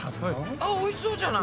あっおいしそうじゃない。